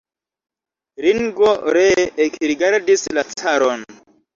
Ringo ree ekrigardis la caron.